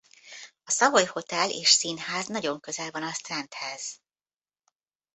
A Savoy Hotel és Színház nagyon közel van a Strandhez.